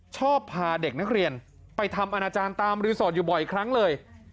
ชอบพาเด็กนักเรียนไปทำอนาจารย์ตามรีสอร์ทอยู่บ่อยครั้งเลย